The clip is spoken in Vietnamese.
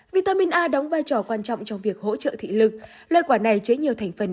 vitamin a đóng vai trò quan trọng trong việc hỗ trợ thị lực loại quả này chứa nhiều thành phần